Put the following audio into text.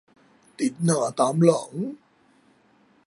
ติดหน้าตามหลัง